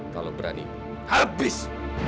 kalau berani habis